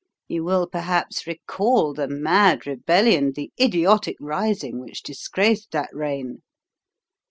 You will perhaps recall the mad rebellion, the idiotic rising which disgraced that reign.